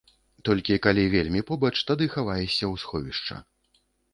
Толькі калі вельмі побач, тады хаваешся ў сховішча.